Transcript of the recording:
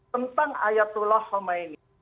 tentang ayatullah khomeini